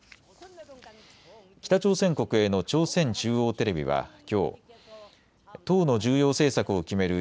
北朝鮮国営の朝鮮中央テレビはきょう、党の重要政策を決める